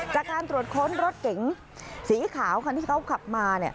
จากการตรวจค้นรถเก๋งสีขาวคันที่เขาขับมาเนี่ย